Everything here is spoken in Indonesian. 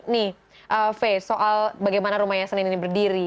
faye soal bagaimana rumah yesen ini berdiri